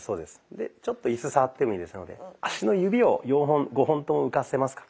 でちょっとイス触ってもいいですので足の指を５本とも浮かせますか？